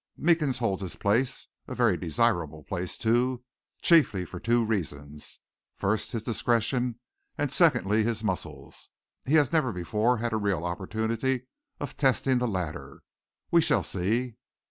Meekins holds his place a very desirable place, too chiefly for two reasons: first his discretion and secondly his muscles. He has never before had a real opportunity of testing the latter. We shall see."